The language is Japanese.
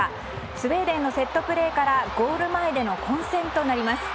スウェーデンのセットプレーからゴール前での混戦となります。